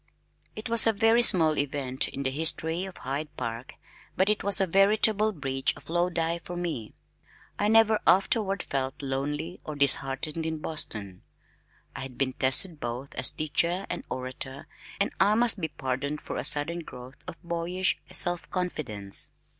It was a very small event in the history of Hyde Park, but it was a veritable bridge of Lodi for me. I never afterward felt lonely or disheartened in Boston. I had been tested both as teacher and orator and I must be pardoned for a sudden growth of boyish self confidence.